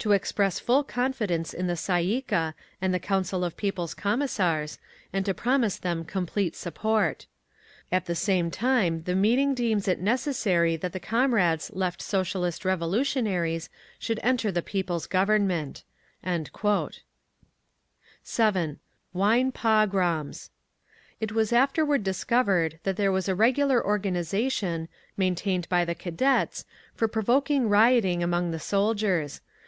To express full confidence in the Tsay ee kah and the Council of People's Commissars, and to promise them complete support.' "At the same time the meeting deems it necessary that the comrades Left Socialist Revolutionaries should enter the People's Government." 7. WINE "POGROMS" It was afterward discovered that there was a regular organisation, maintained by the Cadets, for provoking rioting among the soldiers.